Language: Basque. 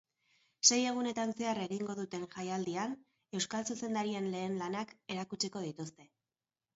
Sei egunetan zehar egingo duten jaialdian euskal zuzendarien lehen lanak erakutsiko dituzte.